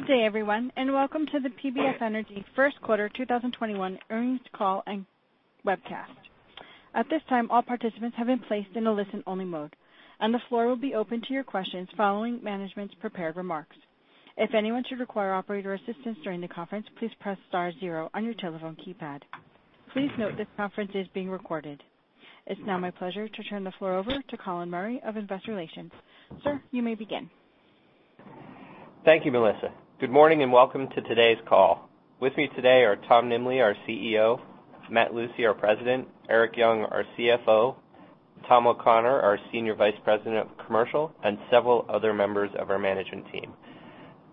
Good day, everyone, and welcome to the PBF Energy first quarter 2021 earnings call and webcast. At this time, all participants have been placed in a listen-only mode, and the floor will be open to your questions following management's prepared remarks. If anyone should require operator assistance during the conference, please press star zero on your telephone keypad. Please note this conference is being recorded. It is now my pleasure to turn the floor over to Colin Murray of Investor Relations. Sir, you may begin. Thank you, Melissa. Good morning, welcome to today's call. With me today are Tom Nimbley, our CEO; Matt Lucey, our President; Erik Young, our CFO; Tom O'Connor, our Senior Vice President of Commercial; and several other members of our management team.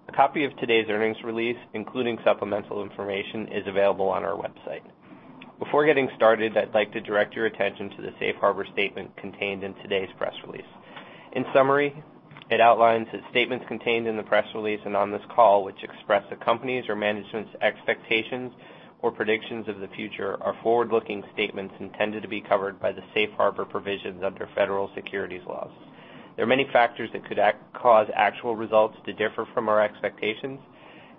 A copy of today's earnings release, including supplemental information, is available on our website. Before getting started, I'd like to direct your attention to the safe harbor statement contained in today's press release. In summary, it outlines that statements contained in the press release and on this call which express the company's or management's expectations or predictions of the future are forward-looking statements intended to be covered by the safe harbor provisions under federal securities laws. There are many factors that could cause actual results to differ from our expectations,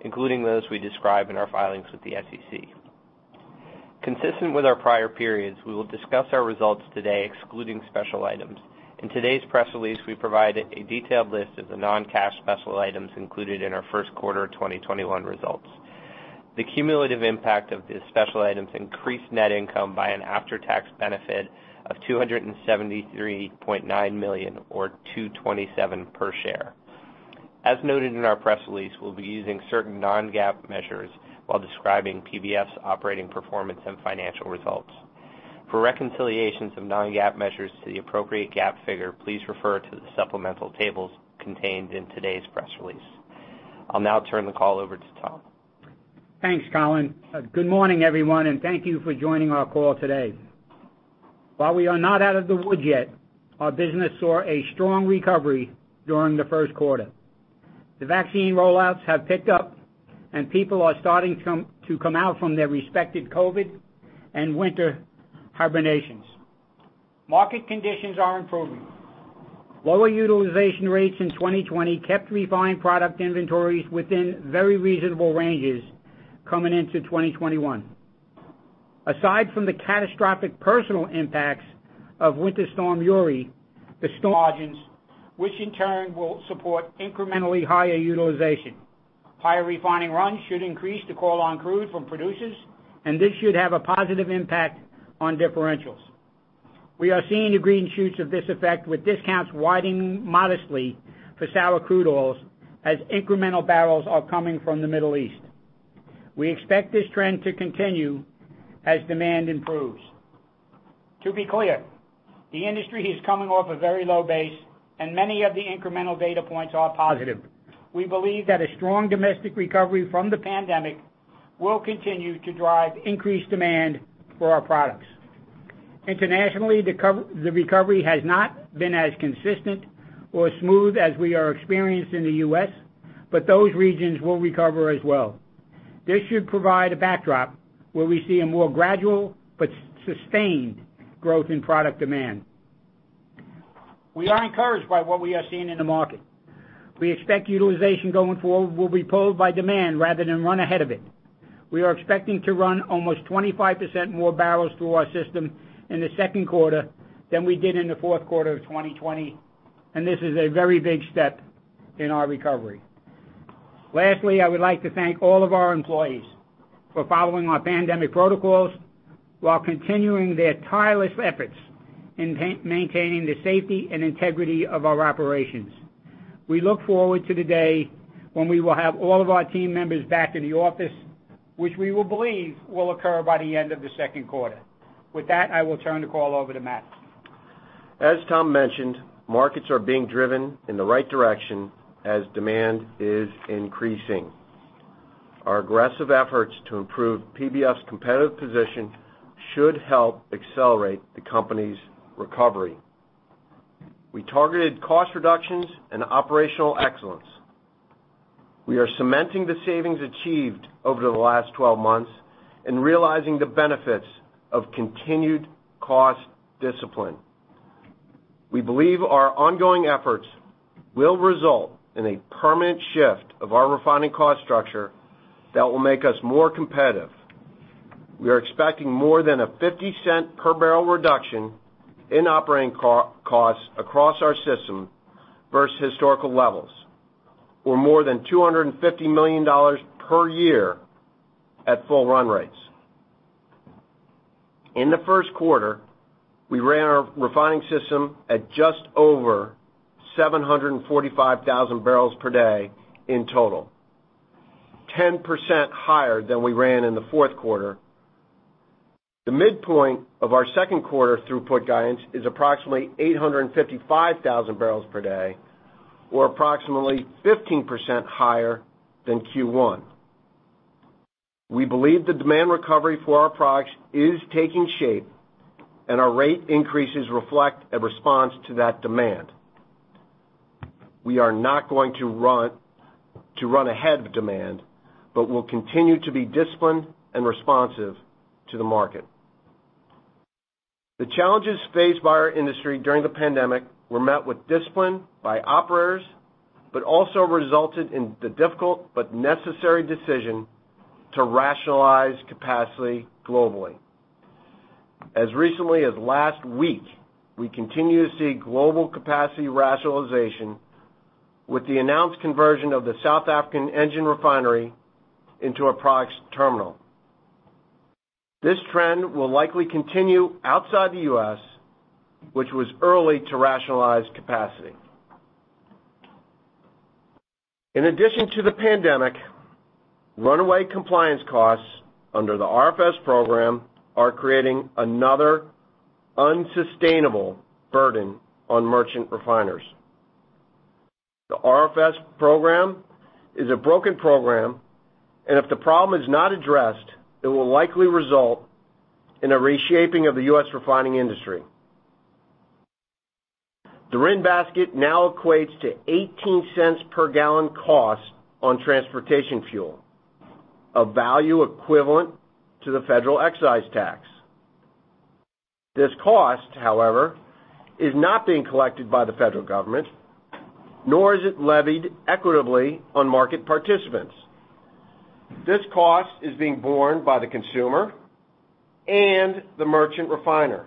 including those we describe in our filings with the SEC. Consistent with our prior periods, we will discuss our results today excluding special items. In today's press release, we provide a detailed list of the non-cash special items included in our first quarter 2021 results. The cumulative impact of the special items increased net income by an after-tax benefit of $273.9 million or $2.27 per share. As noted in our press release, we'll be using certain non-GAAP measures while describing PBF's operating performance and financial results. For reconciliations of non-GAAP measures to the appropriate GAAP figure, please refer to the supplemental tables contained in today's press release. I'll now turn the call over to Tom. Thanks, Colin. Good morning, everyone, and thank you for joining our call today. While we are not out of the woods yet, our business saw a strong recovery during the first quarter. The vaccine rollouts have picked up, and people are starting to come out from their respective COVID and winter hibernations. Market conditions are improving. Lower utilization rates in 2020 kept refined product inventories within very reasonable ranges coming into 2021. Aside from the catastrophic personal impacts of Winter Storm Uri, margins, which in turn will support incrementally higher utilization. Higher refining runs should increase the call on crude from producers, and this should have a positive impact on differentials. We are seeing the green shoots of this effect, with discounts widening modestly for sour crude oils as incremental barrels are coming from the Middle East. We expect this trend to continue as demand improves. To be clear, the industry is coming off a very low base, and many of the incremental data points are positive. We believe that a strong domestic recovery from the pandemic will continue to drive increased demand for our products. Internationally, the recovery has not been as consistent or smooth as we are experienced in the U.S., but those regions will recover as well. This should provide a backdrop where we see a more gradual but sustained growth in product demand. We are encouraged by what we are seeing in the market. We expect utilization going forward will be pulled by demand rather than run ahead of it. We are expecting to run almost 25% more barrels through our system in the second quarter than we did in the fourth quarter of 2020, and this is a very big step in our recovery. Lastly, I would like to thank all of our employees for following our pandemic protocols while continuing their tireless efforts in maintaining the safety and integrity of our operations. We look forward to the day when we will have all of our team members back in the office, which we will believe will occur by the end of the second quarter. With that, I will turn the call over to Matt. As Tom mentioned, markets are being driven in the right direction as demand is increasing. Our aggressive efforts to improve PBF's competitive position should help accelerate the company's recovery. We targeted cost reductions and operational excellence. We are cementing the savings achieved over the last 12 months and realizing the benefits of continued cost discipline. We believe our ongoing efforts will result in a permanent shift of our refining cost structure that will make us more competitive. We are expecting more than a $0.50 per barrel reduction in operating costs across our system versus historical levels or more than $250 million per year at full run rates. In the first quarter, we ran our refining system at just over 745,000 barrels per day in total, 10% higher than we ran in the fourth quarter. The midpoint of our second quarter throughput guidance is approximately 855,000 barrels per day or approximately 15% higher than Q1. We believe the demand recovery for our products is taking shape, and our rate increases reflect a response to that demand. We are not going to run ahead of demand but will continue to be disciplined and responsive to the market. The challenges faced by our industry during the pandemic were met with discipline by operators, but also resulted in the difficult but necessary decision to rationalize capacity globally. As recently as last week, we continue to see global capacity rationalization with the announced conversion of the South African Engen refinery into a products terminal. This trend will likely continue outside the U.S., which was early to rationalize capacity. In addition to the pandemic, runaway compliance costs under the RFS program are creating another unsustainable burden on merchant refiners. The RFS program is a broken program, and if the problem is not addressed, it will likely result in a reshaping of the U.S. refining industry. The RIN basket now equates to $0.18 per gallon cost on transportation fuel, a value equivalent to the federal excise tax. This cost, however, is not being collected by the federal government, nor is it levied equitably on market participants. This cost is being borne by the consumer and the merchant refiner,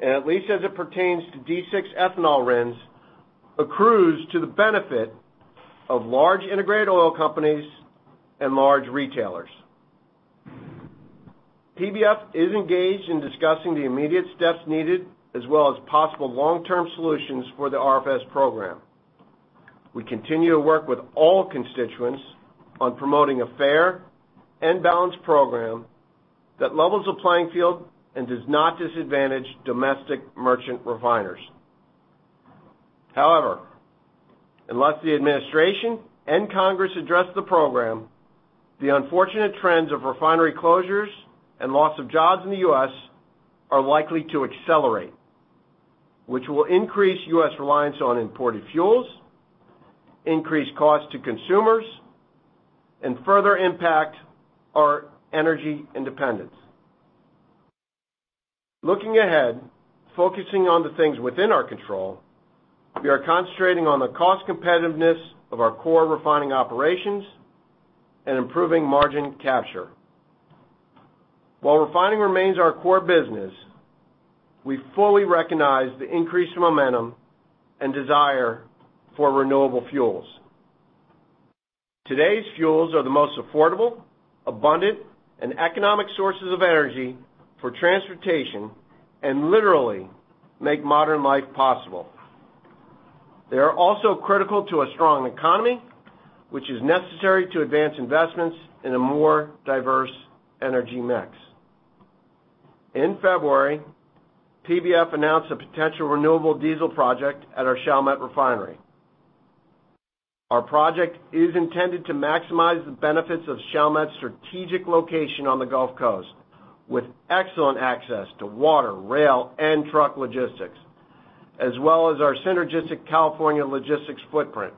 and at least as it pertains to D6 ethanol RINs, accrues to the benefit of large integrated oil companies and large retailers. PBF is engaged in discussing the immediate steps needed, as well as possible long-term solutions for the RFS program. We continue to work with all constituents on promoting a fair and balanced program that levels the playing field and does not disadvantage domestic merchant refiners. However, unless the administration and Congress address the program, the unfortunate trends of refinery closures and loss of jobs in the U.S. are likely to accelerate, which will increase U.S. reliance on imported fuels, increase costs to consumers, and further impact our energy independence. Looking ahead, focusing on the things within our control, we are concentrating on the cost competitiveness of our core refining operations and improving margin capture. While refining remains our core business, we fully recognize the increased momentum and desire for renewable fuels. Today's fuels are the most affordable, abundant, and economic sources of energy for transportation and literally make modern life possible. They are also critical to a strong economy, which is necessary to advance investments in a more diverse energy mix. In February, PBF announced a potential renewable diesel project at our Chalmette Refinery. Our project is intended to maximize the benefits of Chalmette's strategic location on the Gulf Coast, with excellent access to water, rail, and truck logistics, as well as our synergistic California logistics footprint.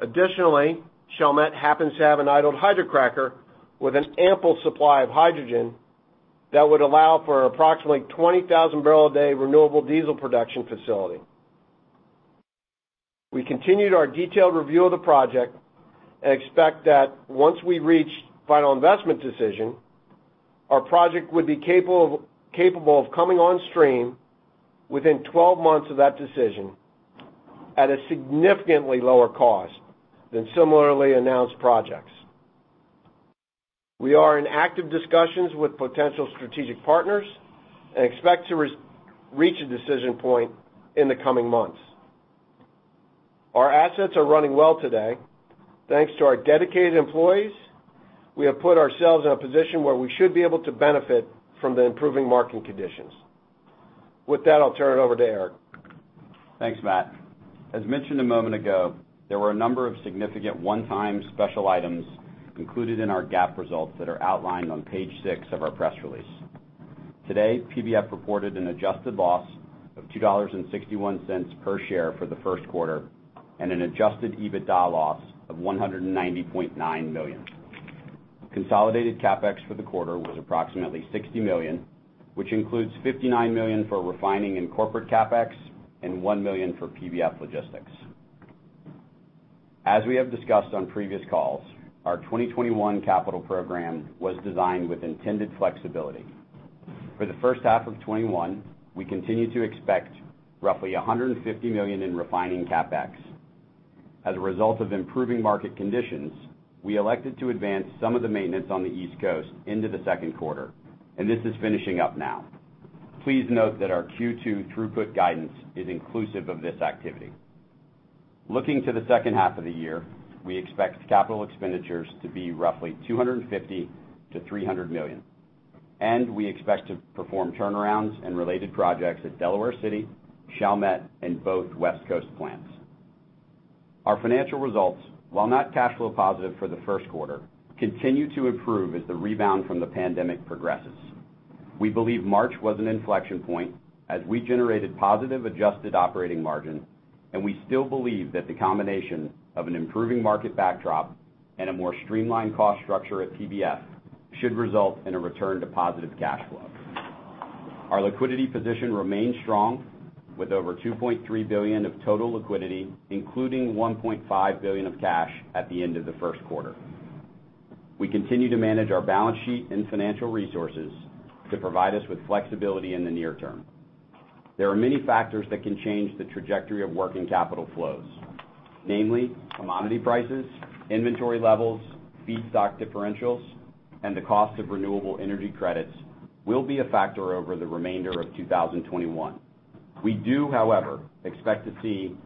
Additionally, Chalmette happens to have an idled hydrocracker with an ample supply of hydrogen that would allow for approximately 20,000-barrel-a-day renewable diesel production facility. We continued our detailed review of the project and expect that once we reach final investment decision, our project would be capable of coming on stream within 12 months of that decision at a significantly lower cost than similarly announced projects. We are in active discussions with potential strategic partners and expect to reach a decision point in the coming months. Our assets are running well today. Thanks to our dedicated employees, we have put ourselves in a position where we should be able to benefit from the improving market conditions. With that, I'll turn it over to Erik Young. Thanks, Matt. As mentioned a moment ago, there were a number of significant one-time special items included in our GAAP results that are outlined on page 6 of our press release. Today, PBF reported an adjusted loss of $2.61 per share for the first quarter and an adjusted EBITDA loss of $190.9 million. Consolidated CapEx for the quarter was approximately $60 million, which includes $59 million for refining and corporate CapEx and $1 million for PBF Logistics. As we have discussed on previous calls, our 2021 capital program was designed with intended flexibility. For the first half of 2021, we continue to expect roughly $150 million in refining CapEx. As a result of improving market conditions, we elected to advance some of the maintenance on the East Coast into the second quarter, and this is finishing up now. Please note that our Q2 throughput guidance is inclusive of this activity. Looking to the second half of the year, we expect capital expenditures to be roughly $250 million-$300 million, and we expect to perform turnarounds and related projects at Delaware City, Chalmette, and both West Coast plants. Our financial results, while not cash flow positive for the first quarter, continue to improve as the rebound from the pandemic progresses. We believe March was an inflection point as we generated positive adjusted operating margin. We still believe that the combination of an improving market backdrop and a more streamlined cost structure at PBF should result in a return to positive cash flow. Our liquidity position remains strong with over $2.3 billion of total liquidity, including $1.5 billion of cash at the end of the first quarter. We continue to manage our balance sheet and financial resources to provide us with flexibility in the near-term. There are many factors that can change the trajectory of working capital flows. Namely, commodity prices, inventory levels, feedstock differentials, and the cost of renewable energy credits will be a factor over the remainder of 2021. We do, however, expect to see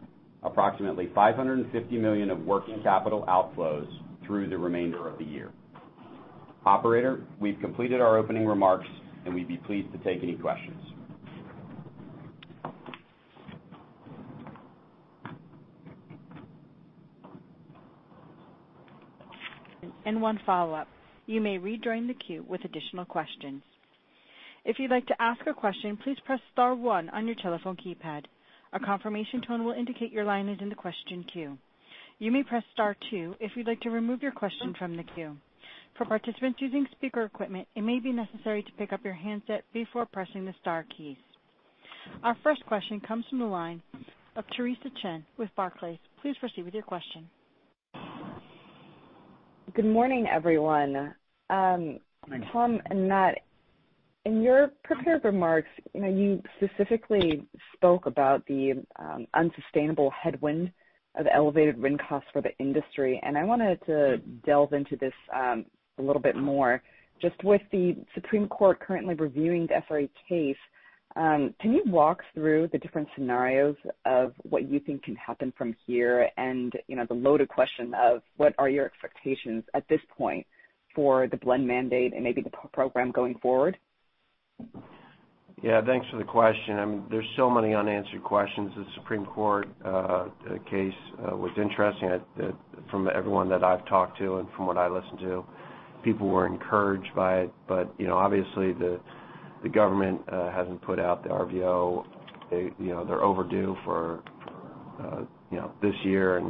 approximately $550 million of working capital outflows through the remainder of the year. Operator, we've completed our opening remarks and we'd be pleased to take any questions. One follow-up. You may rejoin the queue with additional questions. If you'd like to ask a question, please press star one on your telephone keypad. A confirmation tone will indicate your line is in the question queue. You may press star two if you'd like to remove your question from the queue. For participants using speaker equipment, it may be necessary to pick up your handset before pressing the star keys. Our first question comes from the line of Theresa Chen with Barclays. Please proceed with your question. Good morning, everyone. Good morning. Tom and Matt, in your prepared remarks, you specifically spoke about the unsustainable headwind of elevated RIN costs for the industry, and I wanted to delve into this a little bit more. Just with the Supreme Court currently reviewing the SRE case, can you walk through the different scenarios of what you think can happen from here and, the loaded question of, what are your expectations at this point for the blend mandate and maybe the program going forward? Yeah, thanks for the question. There's so many unanswered questions. The Supreme Court case was interesting from everyone that I've talked to and from what I listened to. People were encouraged by it. Obviously the government hasn't put out the RVO. They're overdue for this year.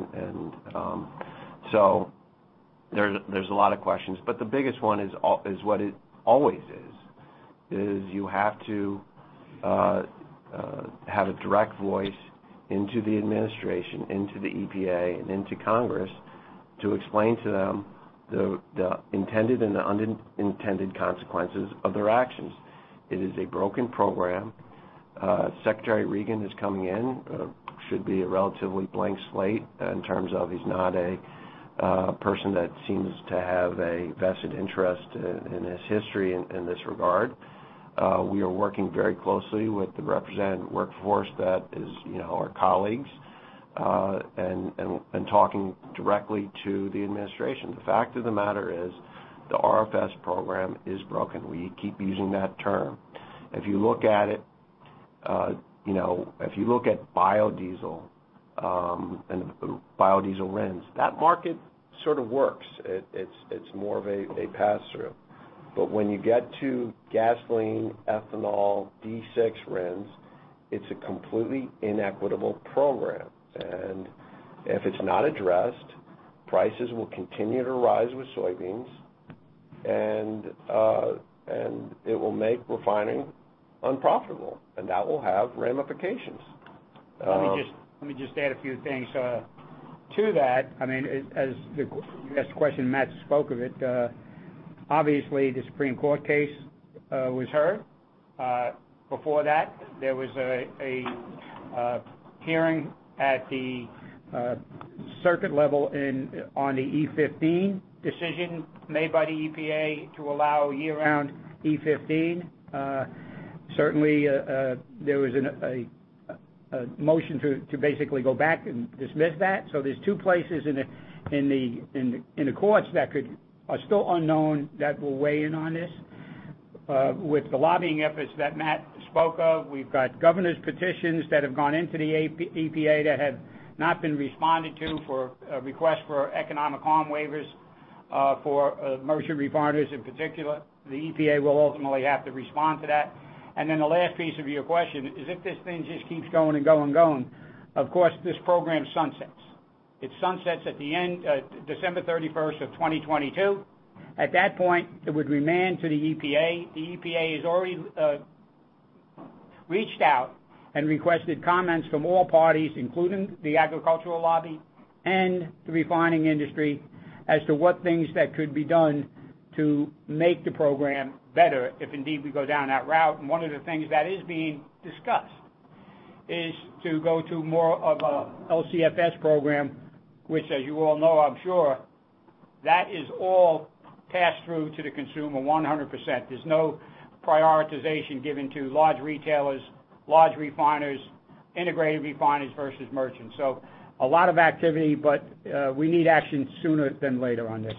There's a lot of questions. The biggest one is what it always is you have to have a direct voice into the administration, into the EPA, and into Congress to explain to them the intended and the unintended consequences of their actions. It is a broken program. Administrator Regan is coming in. Should be a relatively blank slate in terms of, he's not a person that seems to have a vested interest in his history in this regard. We are working very closely with the represented workforce that is our colleagues, talking directly to the administration. The fact of the matter is, the RFS program is broken. We keep using that term. If you look at biodiesel and biodiesel RINs, that market sort of works. It's more of a pass-through. When you get to gasoline, ethanol, D6 RINs, it's a completely inequitable program. If it's not addressed, prices will continue to rise with soybeans, and it will make refining unprofitable, and that will have ramifications. Let me just add a few things to that. As you asked the question, Matt spoke of it. Obviously, the Supreme Court case was heard. Before that, there was a hearing at the circuit level on the E15 decision made by the EPA to allow year-round E15. Certainly, there was a motion to basically go back and dismiss that. So there's two places in the courts that are still unknown that will weigh in on this. With the lobbying efforts that Matt spoke of, we've got governors' petitions that have gone into the EPA that have not been responded to for a request for economic harm waivers for merchant refiners in particular. The EPA will ultimately have to respond to that. The last piece of your question is, if this thing just keeps going and going. Of course, this program sunsets. It sunsets at the end, December 31st of 2022. At that point, it would remand to the EPA. The EPA has already reached out and requested comments from all parties, including the agricultural lobby and the refining industry, as to what things that could be done to make the program better if indeed we go down that route. One of the things that is being discussed is to go to more of a LCFS program, which as you all know, I'm sure, that is all passed through to the consumer 100%. There's no prioritization given to large retailers, large refiners, integrated refiners versus merchants. A lot of activity, but we need action sooner than later on this.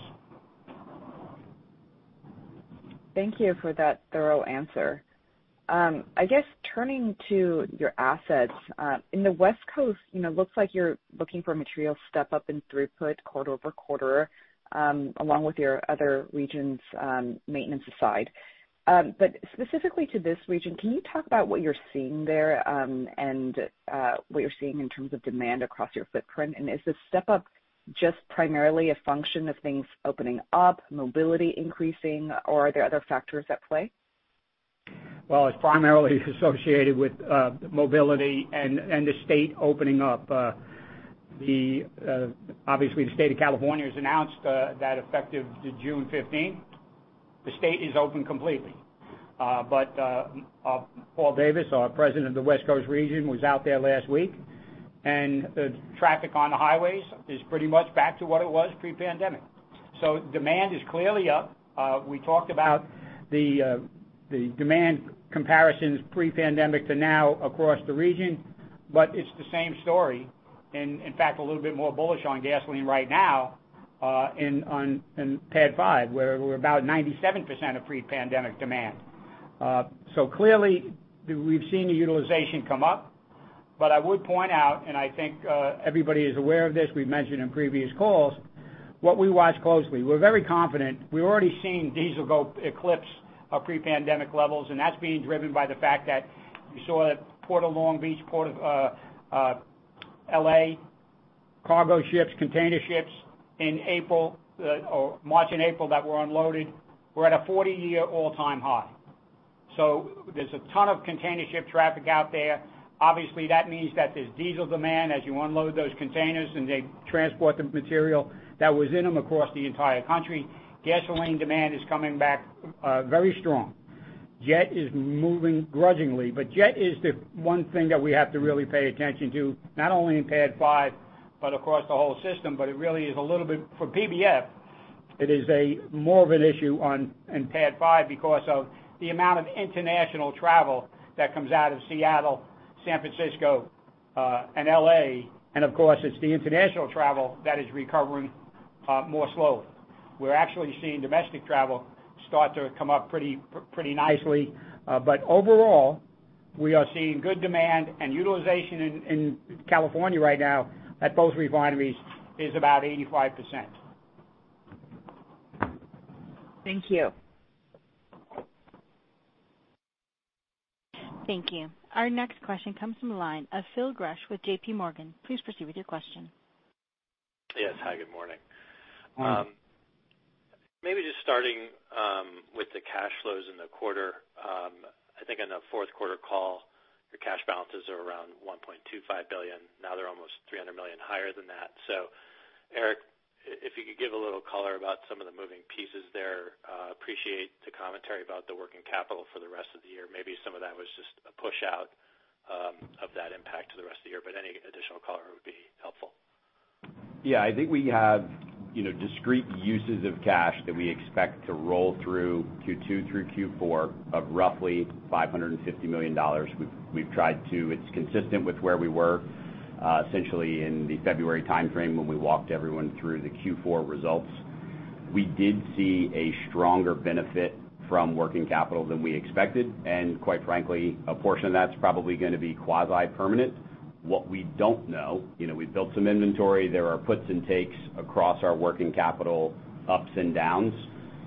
Thank you for that thorough answer. I guess turning to your assets, in the West Coast, looks like you're looking for a material step up in throughput quarter-over-quarter, along with your other regions, maintenance aside. Specifically to this region, can you talk about what you're seeing there, and what you're seeing in terms of demand across your footprint? Is this step up just primarily a function of things opening up, mobility increasing, or are there other factors at play? It's primarily associated with mobility and the State opening up. Obviously, the State of California has announced that effective June 15th, the State is open completely. Paul Davis, our President of the West Coast region, was out there last week, and the traffic on the highways is pretty much back to what it was pre-pandemic. Demand is clearly up. We talked about the demand comparisons pre-pandemic to now across the region, but it's the same story, and in fact, a little bit more bullish on gasoline right now, in PADD 5, where we're about 97% of pre-pandemic demand. Clearly, we've seen the utilization come up. I would point out, and I think everybody is aware of this, we've mentioned in previous calls, what we watch closely. We're very confident. We've already seen diesel go eclipse pre-pandemic levels, and that's being driven by the fact that you saw at Port of Long Beach, Port of L.A., cargo ships, container ships in March and April that were unloaded, were at a 40-year all-time high. There's a ton of container ship traffic out there. Obviously, that means that there's diesel demand as you unload those containers, and they transport the material that was in them across the entire country. Gasoline demand is coming back very strong. Jet is moving grudgingly, but jet is the one thing that we have to really pay attention to, not only in PADD 5, but across the whole system. It is a more of an issue in PADD 5 because of the amount of international travel that comes out of Seattle, San Francisco, and L.A., and of course, it's the international travel that is recovering more slowly. We're actually seeing domestic travel start to come up pretty nicely. Overall, we are seeing good demand, and utilization in California right now at both refineries is about 85%. Thank you. Thank you. Our next question comes from the line of Phil Gresh with JPMorgan. Please proceed with your question. Yes. Hi, good morning. Morning. Just starting with the cash flows in the quarter. I think on the fourth quarter call, your cash balances are around $1.25 billion. They're almost $300 million higher than that. Erik, if you could give a little color about some of the moving pieces there. Appreciate the commentary about the working capital for the rest of the year. Some of that was just a push out of that impact to the rest of the year, but any additional color would be helpful. Yeah, I think we have discrete uses of cash that we expect to roll through Q2 through Q4 of roughly $550 million. It's consistent with where we were essentially in the February timeframe when we walked everyone through the Q4 results. We did see a stronger benefit from working capital than we expected, and quite frankly, a portion of that's probably going to be quasi-permanent. What we don't know, we've built some inventory. There are puts and takes across our working capital ups and downs.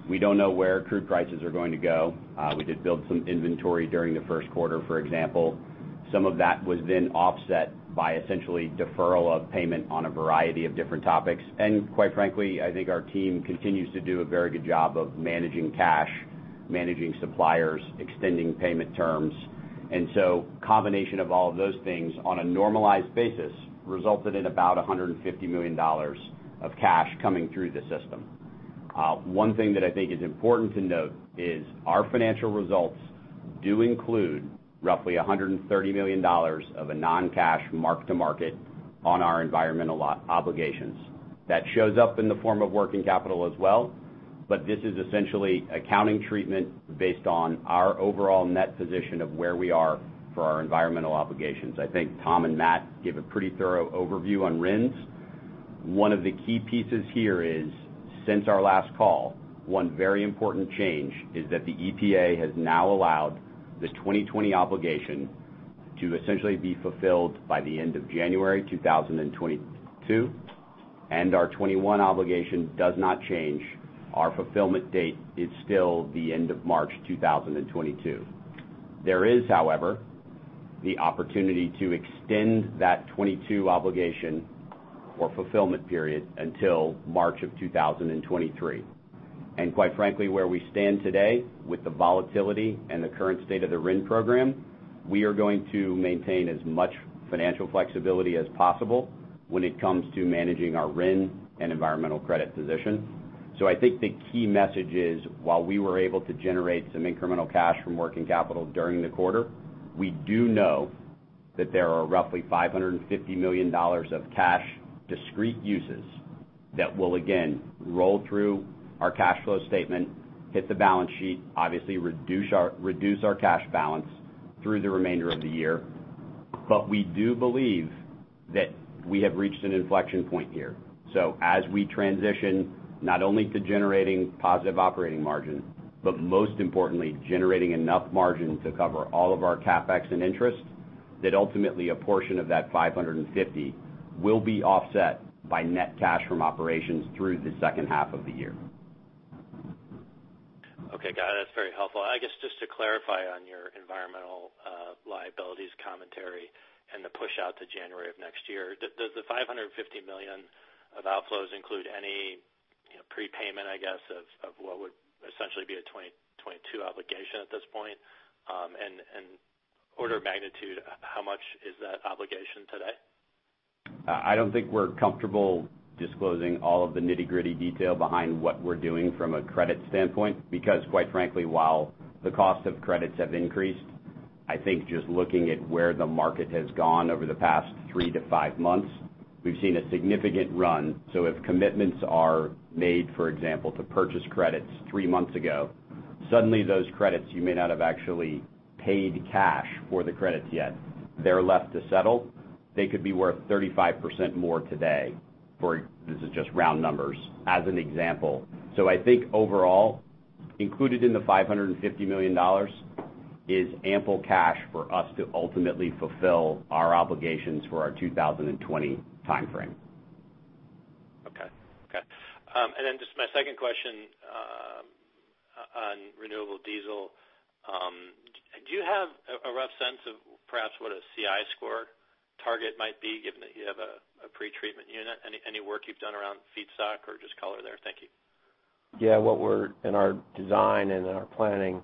We don't know where crude prices are going to go. We did build some inventory during the first quarter, for example. Some of that was then offset by essentially deferral of payment on a variety of different topics. Quite frankly, I think our team continues to do a very good job of managing cash, managing suppliers, extending payment terms. Combination of all of those things on a normalized basis resulted in about $150 million of cash coming through the system. One thing that I think is important to note is our financial results do include roughly $130 million of a non-cash mark to market on our environmental obligations. That shows up in the form of working capital as well, but this is essentially accounting treatment based on our overall net position of where we are for our environmental obligations. I think Tom and Matt gave a pretty thorough overview on RINs. One of the key pieces here is, since our last call, one very important change is that the EPA has now allowed the 2020 obligation to essentially be fulfilled by the end of January 2022, and our 2021 obligation does not change. Our fulfillment date is still the end of March 2022. There is, however, the opportunity to extend that 2022 obligation or fulfillment period until March of 2023. Quite frankly, where we stand today with the volatility and the current state of the RIN program, we are going to maintain as much financial flexibility as possible when it comes to managing our RIN and environmental credit position. I think the key message is while we were able to generate some incremental cash from working capital during the quarter, we do know that there are roughly $550 million of cash discrete uses that will, again, roll through our cash flow statement, hit the balance sheet, obviously reduce our cash balance through the remainder of the year. We do believe that we have reached an inflection point here. As we transition not only to generating positive operating margin, but most importantly, generating enough margin to cover all of our CapEx and interest, that ultimately a portion of that $550 will be offset by net cash from operations through the second half of the year. Okay, got it. That's very helpful. I guess, just to clarify on your environmental liabilities commentary and the pushout to January of next year, does the $550 million of outflows include any prepayment, I guess, of what would essentially be a 2022 obligation at this point? Order of magnitude, how much is that obligation today? I don't think we're comfortable disclosing all of the nitty-gritty detail behind what we're doing from a credit standpoint, because quite frankly, while the cost of credits have increased, I think just looking at where the market has gone over the past three to five months, we've seen a significant run. If commitments are made, for example, to purchase credits three months ago, suddenly those credits, you may not have actually paid cash for the credits yet. They're left to settle. They could be worth 35% more today. This is just round numbers, as an example. I think overall, included in the $550 million is ample cash for us to ultimately fulfill our obligations for our 2020 timeframe. Okay. Just my second question on renewable diesel. Do you have a rough sense of perhaps what a CI score target might be, given that you have a pretreatment unit? Any work you've done around feedstock or just color there? Thank you. Yeah. In our design and in our planning,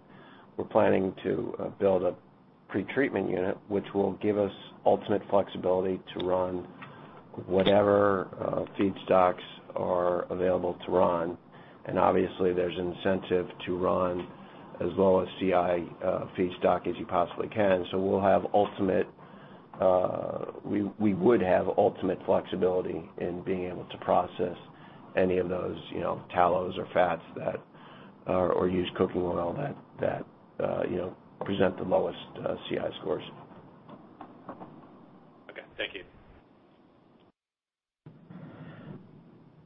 we're planning to build a pretreatment unit, which will give us ultimate flexibility to run whatever feedstocks are available to run. Obviously, there's incentive to run as low a CI feedstock as you possibly can. We would have ultimate flexibility in being able to process any of those, tallows or fats or use cooking oil that present the lowest CI scores.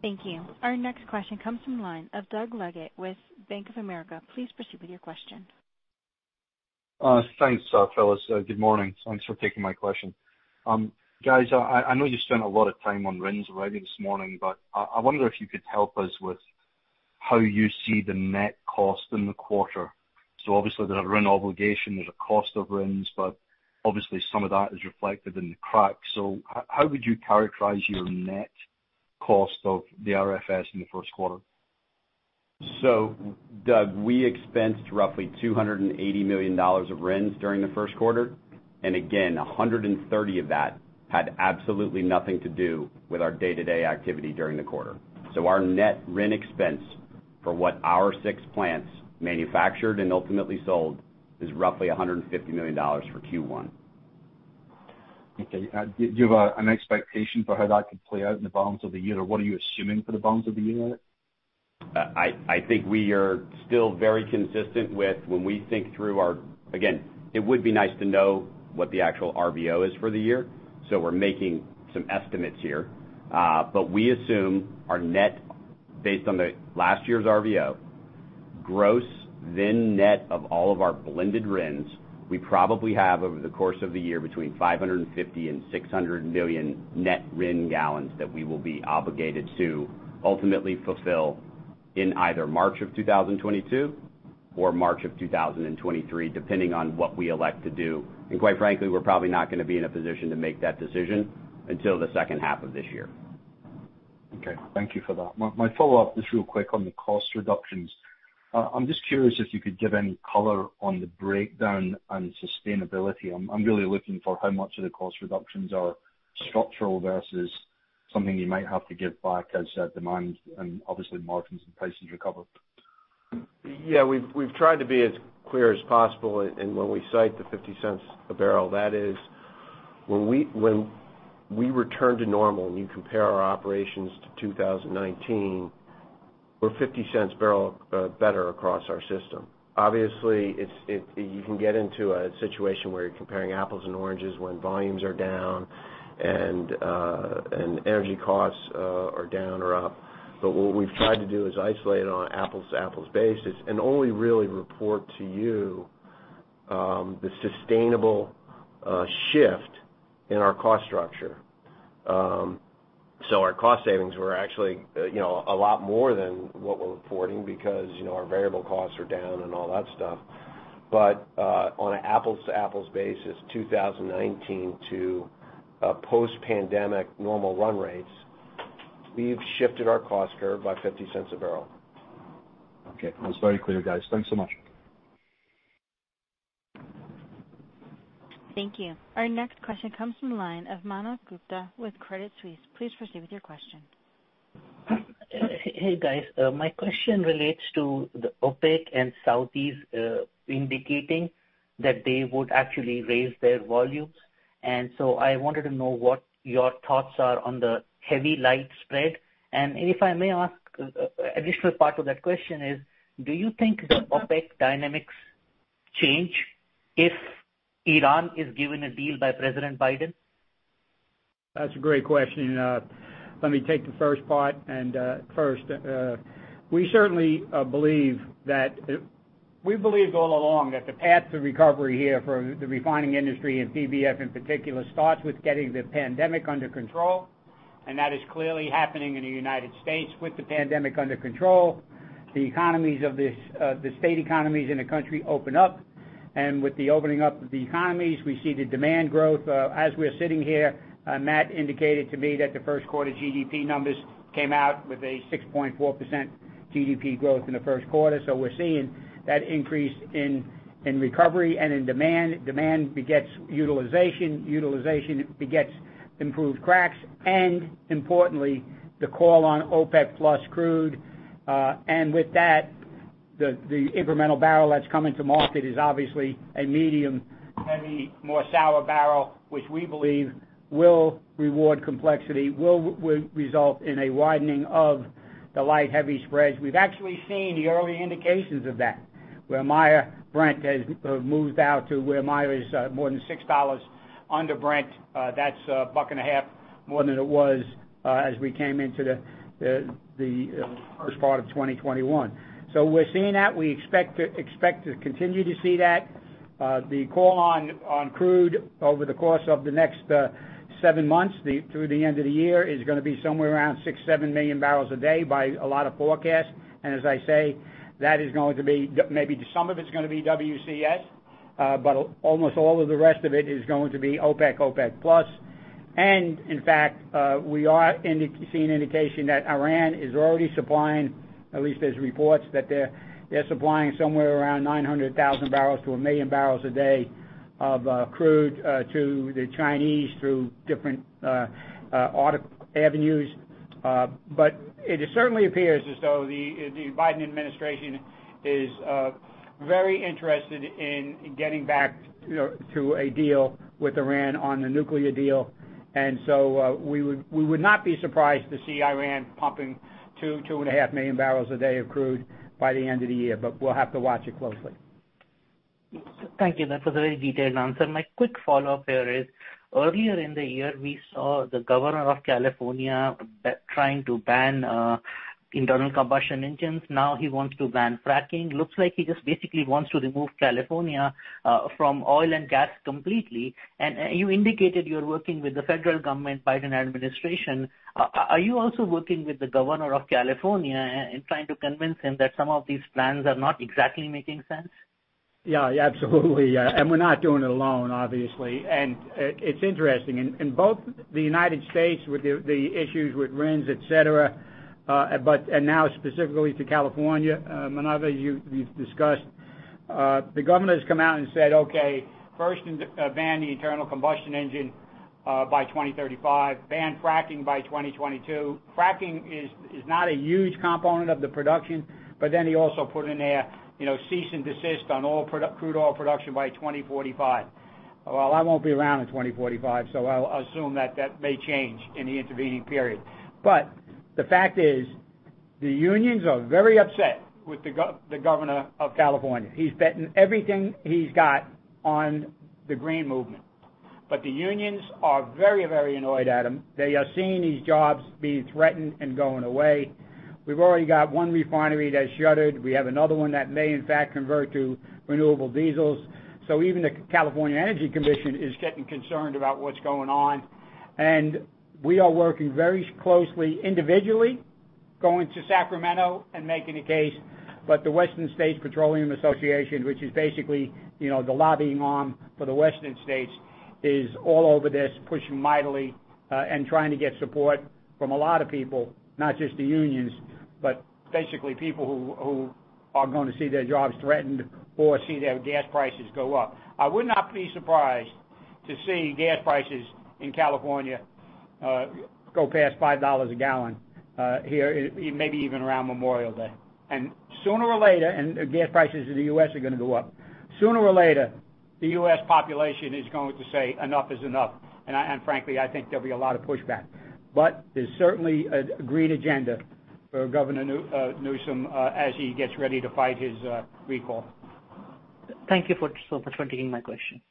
Okay, thank you. Thank you. Our next question comes from the line of Doug Leggate with Bank of America. Please proceed with your question. Thanks, fellas. Good morning. Thanks for taking my question. Guys, I know you spent a lot of time on RINs already this morning, I wonder if you could help us with how you see the net cost in the quarter. Obviously, there's a RIN obligation, there's a cost of RINs, obviously some of that is reflected in the crack. How would you characterize your net cost of the RFS in the first quarter? Doug, we expensed roughly $280 million of RINs during the first quarter. Again, $130 million of that had absolutely nothing to do with our day-to-day activity during the quarter. Our net RIN expense for what our six plants manufactured and ultimately sold is roughly $150 million for Q1. Okay. Do you have an expectation for how that could play out in the balance of the year? What are you assuming for the balance of the year? I think we are still very consistent with when we think through. It would be nice to know what the actual RVO is for the year. We're making some estimates here. We assume our net, based on the last year's RVO, gross then net of all of our blended RINs, we probably have, over the course of the year, between $550 million and $600 million net RIN gallons that we will be obligated to ultimately fulfill in either March of 2022 or March of 2023, depending on what we elect to do. Quite frankly, we're probably not going to be in a position to make that decision until the second half of this year. Okay. Thank you for that. My follow-up, just real quick on the cost reductions. I'm just curious if you could give any color on the breakdown on sustainability. I'm really looking for how much of the cost reductions are structural versus something you might have to give back as demand and obviously margins and prices recover. Yeah, we've tried to be as clear as possible. When we cite the $0.50 a barrel, that is when we return to normal, when you compare our operations to 2019, we're $0.50 a barrel better across our system. Obviously, you can get into a situation where you're comparing apples and oranges when volumes are down and energy costs are down or up. What we've tried to do is isolate it on an apples-to-apples basis and only really report to you the sustainable shift in our cost structure. Our cost savings were actually a lot more than what we're reporting because our variable costs are down and all that stuff. On an apples-to-apples basis, 2019 to post-pandemic normal run rates, we've shifted our cost curve by $0.50 a barrel. Okay. That's very clear, guys. Thanks so much. Thank you. Our next question comes from the line of Manav Gupta with Credit Suisse. Please proceed with your question. Hey, guys. My question relates to the OPEC and OPEC+ indicating that they would actually raise their volumes. I wanted to know what your thoughts are on the heavy light spread. If I may ask, additional part of that question is, do you think the OPEC dynamics change if Iran is given a deal by President Biden? That's a great question. Let me take the first part. First, we believed all along that the path to recovery here for the refining industry, and PBF in particular, starts with getting the pandemic under control, and that is clearly happening in the United States. With the pandemic under control, the state economies in the country open up. With the opening up of the economies, we see the demand growth. As we're sitting here, Matt indicated to me that the first quarter GDP numbers came out with a 6.4% GDP growth in the first quarter. We're seeing that increase in recovery and in demand. Demand begets utilization. Utilization begets improved cracks, and importantly, the call on OPEC+ crude. With that, the incremental barrel that's coming to market is obviously a medium, heavy, more sour barrel, which we believe will reward complexity, will result in a widening of the light heavy spreads. We've actually seen the early indications of that, where Maya-Brent has moved out to where Maya is more than $6 under Brent. That's $1.50 more than it was as we came into the first part of 2021. We're seeing that. We expect to continue to see that. The call on crude over the course of the next seven months through the end of the year is going to be somewhere around 6, 7 million barrels a day by a lot of forecasts. As I say, maybe some of it's going to be WCS, but almost all of the rest of it is going to be OPEC+. In fact, we are seeing indication that Iran is already supplying, at least there's reports that they're supplying somewhere around 900,000 barrels to 1 million barrels a day of crude to the Chinese through different audit avenues. It certainly appears as though the Biden administration is very interested in getting back to a deal with Iran on the nuclear deal. We would not be surprised to see Iran pumping 2 million-2.5 million barrels a day of crude by the end of the year. We'll have to watch it closely. Thank you. That was a very detailed answer. My quick follow-up here is, earlier in the year, we saw the Governor of California trying to ban internal combustion engines. He wants to ban fracking. Looks like he just basically wants to remove California from oil and gas completely. You indicated you're working with the federal government, Biden administration. Are you also working with the Governor of California and trying to convince him that some of these plans are not exactly making sense? Yeah, absolutely. We're not doing it alone, obviously. It's interesting. In both the United States with the issues with RINs, etc, and now specifically to California, Manav, you've discussed. The Governor's come out and said, "Okay, first ban the internal combustion engine by 2035. Ban fracking by 2022." Fracking is not a huge component of the production, but then he also put in there, cease and desist on crude oil production by 2045. Well, I won't be around in 2045, so I'll assume that that may change in the intervening period. The fact is, the unions are very upset with the Governor of California. He's betting everything he's got on the green movement. The unions are very annoyed at him. They are seeing these jobs being threatened and going away. We've already got one refinery that's shuttered. We have another one that may, in fact, convert to renewable diesel. The California Energy Commission is getting concerned about what's going on. We are working very closely individually, going to Sacramento and making a case. The Western States Petroleum Association, which is basically the lobbying arm for the western states, is all over this, pushing mightily and trying to get support from a lot of people, not just the unions, but basically people who are going to see their jobs threatened or see their gas prices go up. I would not be surprised to see gas prices in California go past $5 a gallon here, maybe even around Memorial Day. Gas prices in the U.S. are going to go up. Sooner or later, the U.S. population is going to say, "Enough is enough." Frankly, I think there'll be a lot of pushback. There's certainly a green agenda for Governor Newsom as he gets ready to fight his recall. Thank you for taking my question.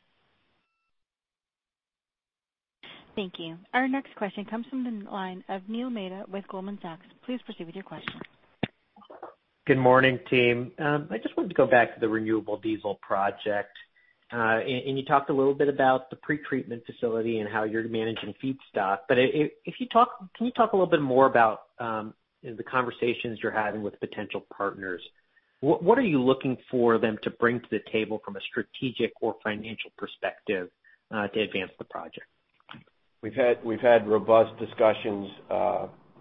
Thank you. Our next question comes from the line of Neil Mehta with Goldman Sachs. Please proceed with your question. Good morning, team. I just wanted to go back to the renewable diesel project. You talked a little bit about the pretreatment facility and how you're managing feedstock. Can you talk a little bit more about the conversations you're having with potential partners? What are you looking for them to bring to the table from a strategic or financial perspective to advance the project? We've had robust discussions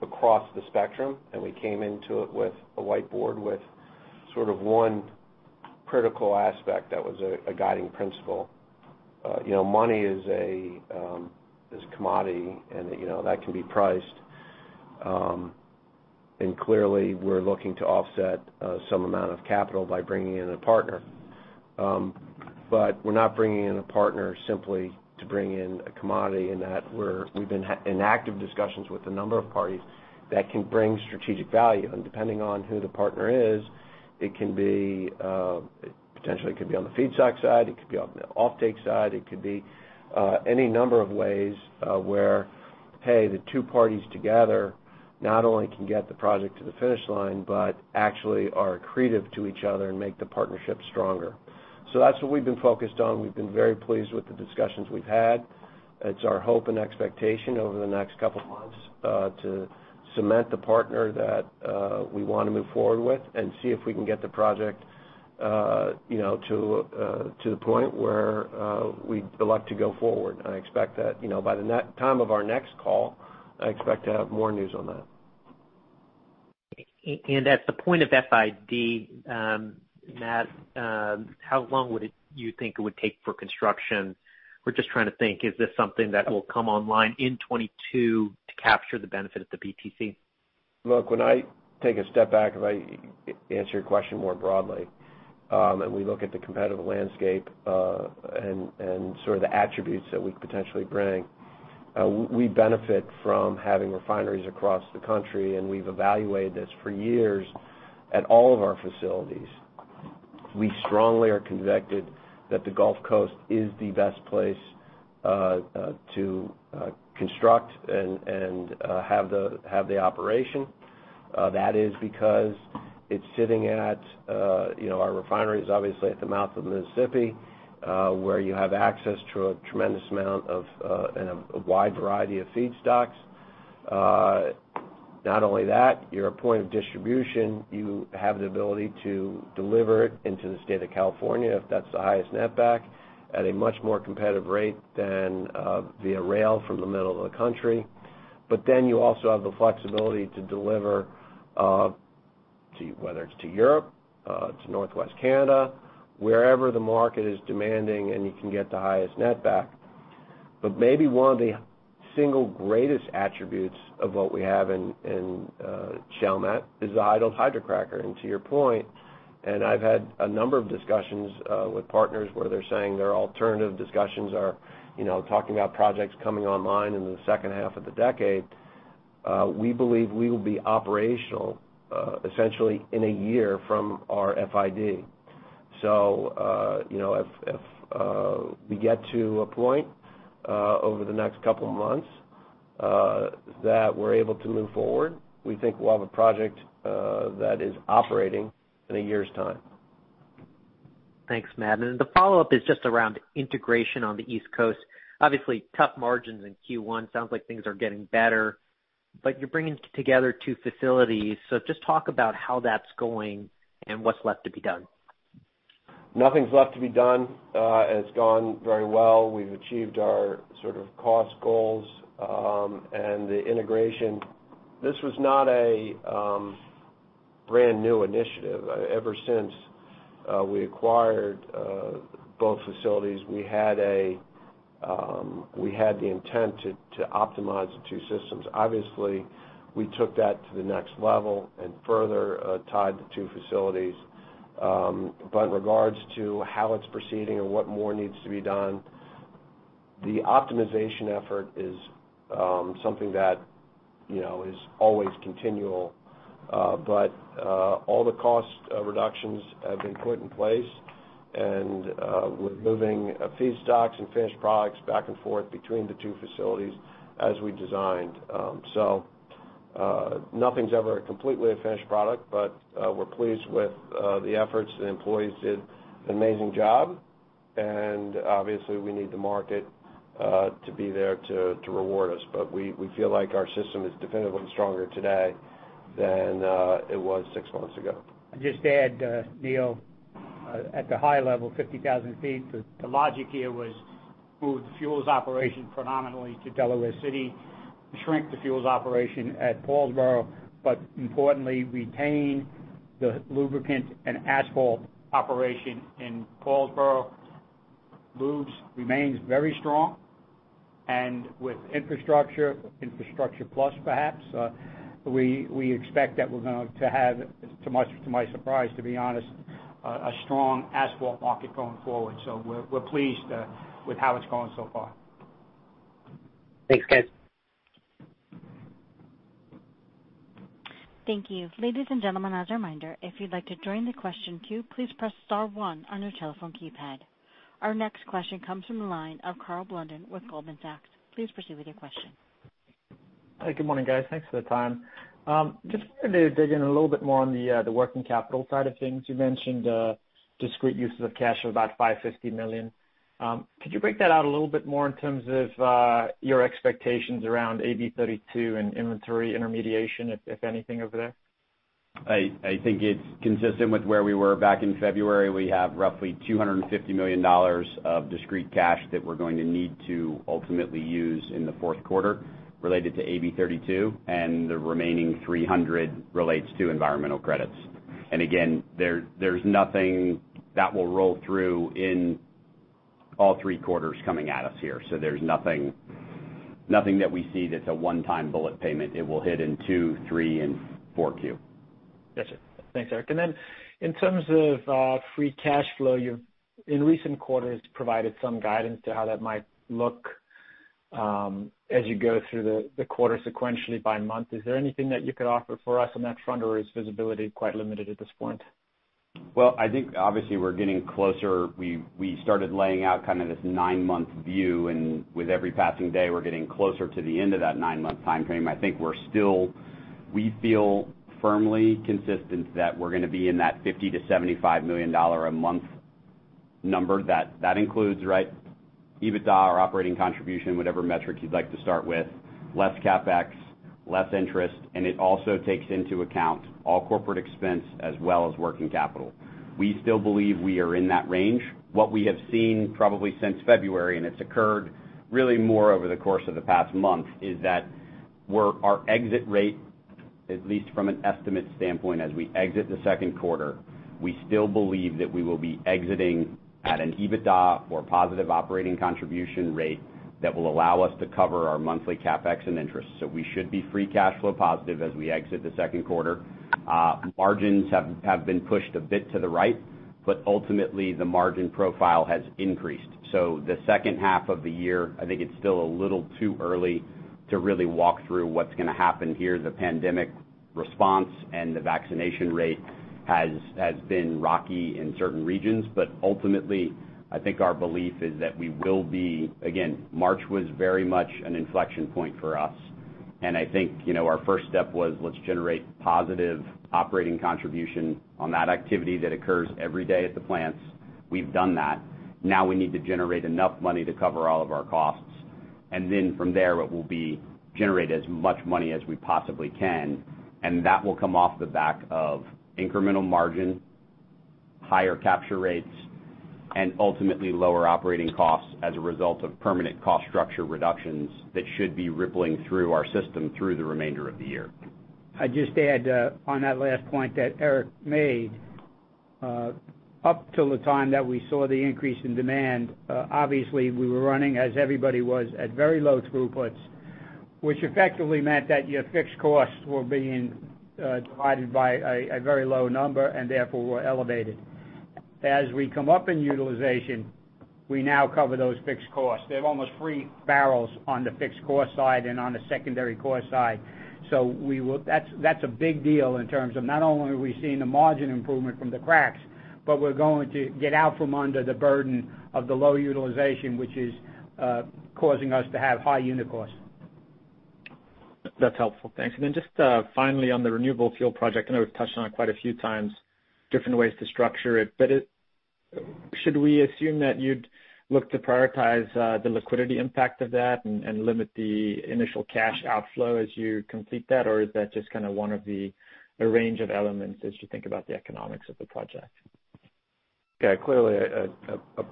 across the spectrum, and we came into it with a whiteboard with sort of one critical aspect that was a guiding principle. Money is a commodity, and that can be priced. Clearly, we're looking to offset some amount of capital by bringing in a partner. We're not bringing in a partner simply to bring in a commodity in that we've been in active discussions with a number of parties that can bring strategic value. Depending on who the partner is, potentially it could be on the feedstock side, it could be on the offtake side. It could be any number of ways where Hey, the two parties together not only can get the project to the finish line, but actually are accretive to each other and make the partnership stronger. That's what we've been focused on. We've been very pleased with the discussions we've had. It's our hope and expectation over the next couple of months to cement the partner that we want to move forward with and see if we can get the project to the point where we'd elect to go forward. By the time of our next call, I expect to have more news on that. At the point of FID, Matt, how long would you think it would take for construction? We're just trying to think, is this something that will come online in 2022 to capture the benefit of the BTC? Look, when I take a step back, if I answer your question more broadly, and we look at the competitive landscape and sort of the attributes that we potentially bring, we benefit from having refineries across the country, and we've evaluated this for years at all of our facilities. We strongly are convicted that the Gulf Coast is the best place to construct and have the operation. That is because our refinery's obviously at the mouth of the Mississippi, where you have access to a tremendous amount of and a wide variety of feedstocks. Not only that, your point of distribution, you have the ability to deliver it into the state of California, if that's the highest net back, at a much more competitive rate than via rail from the middle of the country. You also have the flexibility to deliver whether it's to Europe, to Northwest Canada, wherever the market is demanding, and you can get the highest net back. Maybe one of the single greatest attributes of what we have in Chalmette is the idled hydrocracker. To your point, I've had a number of discussions with partners where they're saying their alternative discussions are talking about projects coming online in the second half of the decade. We believe we will be operational, essentially in a year from our FID. If we get to a point over the next couple of months that we're able to move forward, we think we'll have a project that is operating in a year's time. Thanks, Matt. The follow-up is just around integration on the East Coast. Obviously, tough margins in Q1. Sounds like things are getting better, but you're bringing together two facilities. Just talk about how that's going and what's left to be done. Nothing's left to be done. It's gone very well. We've achieved our sort of cost goals and the integration. This was not a brand-new initiative. Ever since we acquired both facilities, we had the intent to optimize the two systems. Obviously, we took that to the next level and further tied the two facilities. In regards to how it's proceeding and what more needs to be done, the optimization effort is something that is always continual. All the cost reductions have been put in place, and we're moving feedstocks and finished products back and forth between the two facilities as we designed. Nothing's ever completely a finished product, but we're pleased with the efforts. The employees did an amazing job, and obviously, we need the market to be there to reward us. We feel like our system is definitively stronger today than it was six months ago. I'd just add, Neil, at the high level, 50,000 feet, the logic here was move the fuels operation predominantly to Delaware City, shrink the fuels operation at Paulsboro, but importantly, retain the Lubes and asphalt operation in Paulsboro. Lubes remains very strong, and with infrastructure plus, perhaps, we expect that we're going to have, to my surprise, to be honest, a strong asphalt market going forward. So we're pleased with how it's going so far. Thanks, guys. Thank you. Ladies and gentlemen, as a reminder, if you'd like to join the question queue, please press star one on your telephone keypad. Our next question comes from the line of Karl Blunden with Goldman Sachs. Please proceed with your question. Hi, good morning, guys. Thanks for the time. Just wanted to dig in a little bit more on the working capital side of things. You mentioned discrete uses of cash of about $550 million. Could you break that out a little bit more in terms of your expectations around AB 32 and inventory intermediation, if anything over there? I think it's consistent with where we were back in February. We have roughly $250 million of discrete cash that we're going to need to ultimately use in the fourth quarter related to AB 32, and the remaining $300 relates to environmental credits. Again, there's nothing that will roll through in all three quarters coming at us here. There's nothing that we see that's a one-time bullet payment. It will hit in Q2, Q3, and Q4. Got you. Thanks, Erik. In terms of free cash flow, you've, in recent quarters, provided some guidance to how that might look as you go through the quarter sequentially by month. Is there anything that you could offer for us on that front, or is visibility quite limited at this point? Well, I think obviously we're getting closer. We started laying out kind of this nine-month view, and with every passing day, we're getting closer to the end of that nine-month timeframe. I think we feel firmly consistent that we're gonna be in that $50 million-$75 million a month number. That includes EBITDA or operating contribution, whatever metric you'd like to start with, less CapEx, less interest, and it also takes into account all corporate expense as well as working capital. We still believe we are in that range. What we have seen, probably since February, and it's occurred really more over the course of the past month, is that our exit rate, at least from an estimate standpoint as we exit the second quarter, we still believe that we will be exiting at an EBITDA or positive operating contribution rate that will allow us to cover our monthly CapEx and interest. We should be free cash flow positive as we exit the second quarter. Margins have been pushed a bit to the right, but ultimately, the margin profile has increased. The second half of the year, I think it's still a little too early to really walk through what's going to happen here. The pandemic response and the vaccination rate has been rocky in certain regions. Ultimately, I think our belief is that again, March was very much an inflection point for us, and I think our first step was let's generate positive operating contribution on that activity that occurs every day at the plants. We've done that. Now we need to generate enough money to cover all of our costs. Then from there, it will be generate as much money as we possibly can, and that will come off the back of incremental margin, higher capture rates, and ultimately lower operating costs as a result of permanent cost structure reductions that should be rippling through our system through the remainder of the year. I'd just add, on that last point that Erik Young made, up till the time that we saw the increase in demand, obviously, we were running, as everybody was, at very low throughputs, which effectively meant that your fixed costs were being divided by a very low number and therefore were elevated. We come up in utilization, we now cover those fixed costs. They're almost free barrels on the fixed cost side and on the secondary cost side. That's a big deal in terms of not only are we seeing the margin improvement from the cracks, but we're going to get out from under the burden of the low utilization, which is causing us to have high unit costs. That's helpful. Thanks. Then just finally on the renewable fuel project, I know we've touched on it quite a few times, different ways to structure it. Should we assume that you'd look to prioritize the liquidity impact of that and limit the initial cash outflow as you complete that? Is that just kind of one of the range of elements as you think about the economics of the project? Yeah. Clearly, a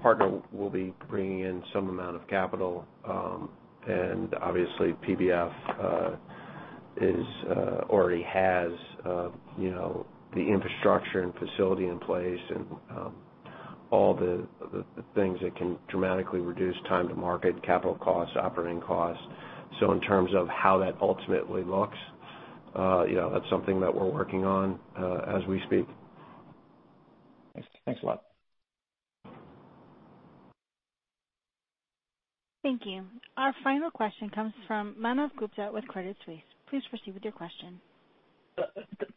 partner will be bringing in some amount of capital. Obviously PBF already has the infrastructure and facility in place and all the things that can dramatically reduce time to market, capital costs, operating costs. In terms of how that ultimately looks, that's something that we're working on as we speak. Thanks a lot. Thank you. Our final question comes from Manav Gupta with Credit Suisse. Please proceed with your question.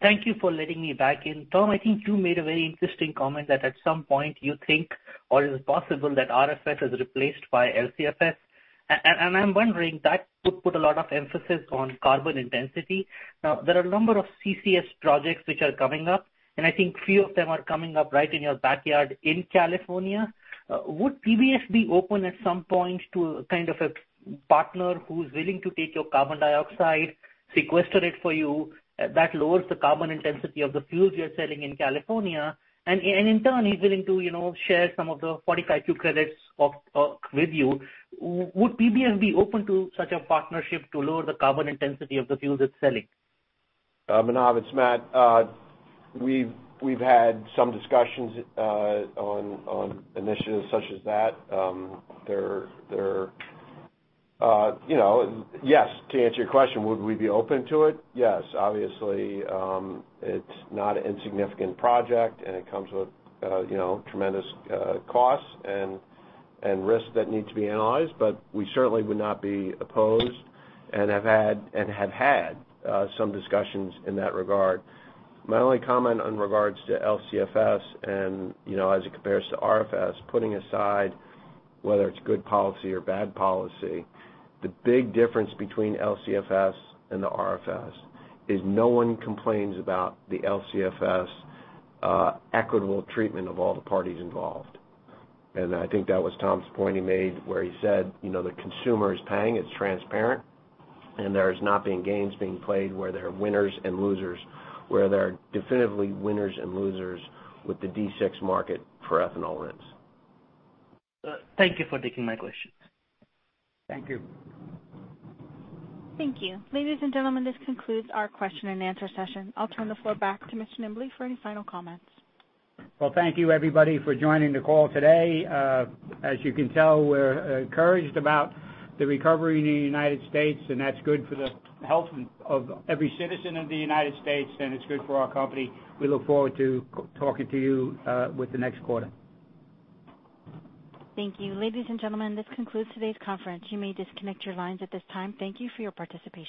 Thank you for letting me back in. Tom, I think you made a very interesting comment that at some point you think, or is it possible that RFS is replaced by LCFS. I'm wondering, that could put a lot of emphasis on carbon intensity. Now, there are a number of CCS projects which are coming up, and I think few of them are coming up right in your backyard in California. Would PBF be open at some point to kind of a partner who's willing to take your carbon dioxide, sequester it for you? That lowers the carbon intensity of the fuels you're selling in California, and in turn, he's willing to share some of the 45Q credits with you. Would PBF be open to such a partnership to lower the carbon intensity of the fuels it's selling? Manav, it's Matt. We've had some discussions on initiatives such as that. Yes, to answer your question, would we be open to it? Yes. Obviously, it's not an insignificant project, and it comes with tremendous costs and risks that need to be analyzed. We certainly would not be opposed and have had some discussions in that regard. My only comment in regards to LCFS and as it compares to RFS, putting aside whether it's good policy or bad policy, the big difference between LCFS and the RFS is no one complains about the LCFS equitable treatment of all the parties involved. I think that was Tom's point he made where he said, "The consumer is paying, it's transparent, and there's not been games being played where there are winners and losers," where there are definitively winners and losers with the D6 market for ethanol RINs. Thank you for taking my questions. Thank you. Thank you. Ladies and gentlemen, this concludes our question and answer session. I'll turn the floor back to Mr. Nimbley for any final comments. Well, thank you everybody for joining the call today. As you can tell, we're encouraged about the recovery in the United States, and that's good for the health of every citizen of the United States, and it's good for our company. We look forward to talking to you with the next quarter. Thank you. Ladies and gentlemen, this concludes today's conference. You may disconnect your lines at this time. Thank you for your participation.